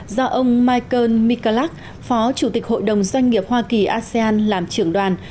do ông michael mikalac phó chủ tịch hội đồng doanh nghiệp hoa kỳ asean làm trưởng đoàn